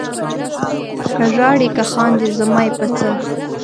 که ژاړې که خاندې زما یې په څه؟